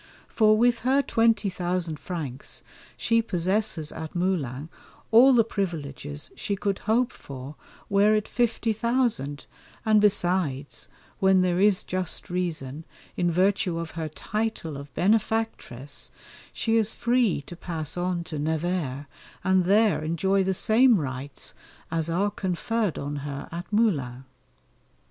For with her twenty thousand francs she possesses at Moulins all the privileges she could hope for were it fifty thousand, and besides, when there is just reason, in virtue of her title of benefactress, she is free to pass on to Nevers and there enjoy the same rights as are conferred on her at Moulins.